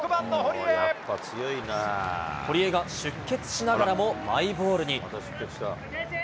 堀江が出血しながらもマイボールに。